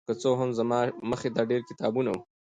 که څه هم زما مخې ته ډېر کتابونه وو